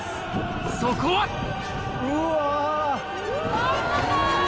そこはうわ！